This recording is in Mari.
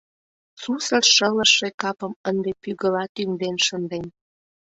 Сусыр шылыжше капым ынде пӱгыла тӱҥден шынден!